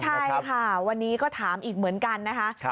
ใช่ค่ะวันนี้ก็ถามอีกเหมือนกันนะคะ